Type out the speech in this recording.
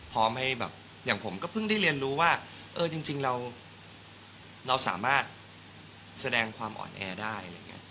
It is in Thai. พร้อมให้แบบอย่างผมก็เพิ่งได้เรียนรู้ว่าเออจริงเราสามารถแสดงความอ่อนแอได้อะไรอย่างนี้